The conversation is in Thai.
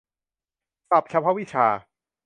ศัพท์เฉพาะวิชา